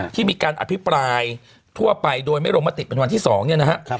ที่มีการอภิปรายทั่วไปโดยไม่ลงมติเป็นวันที่๒เนี่ยนะครับ